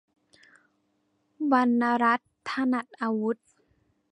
วรรณรัตน์ ถนัดอาวุธ